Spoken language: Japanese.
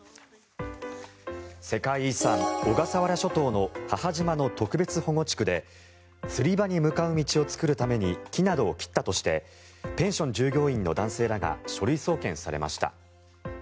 世界遺産・小笠原諸島の母島の特別保護地区で釣り場に向かう道を作るために木を切ったとしてペンション従業員の男性らが書類送検されました。